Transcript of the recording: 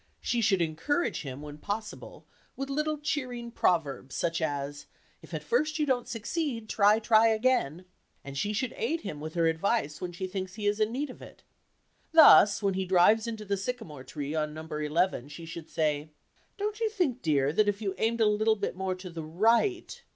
She should encourage him, when possible, with little cheering proverbs, such as, "If at first you don't succeed, try, try again," and she should aid him with her advice when she thinks he is in need of it. Thus, when he drives into the sycamore tree on number eleven, she should say, "Don't you think, dear, that if you aimed a little bit more to the right...."